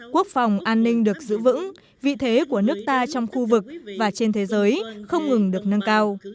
quốc phòng an ninh được giữ vững vị thế của nước ta trong khu vực và trên thế giới không ngừng được nâng cao